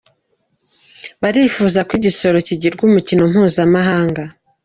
Barifuza ko igisoro kigirwa umukino mpuzamahanga